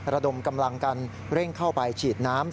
ระดมกำลังกันเร่งเข้าไปฉีดน้ำ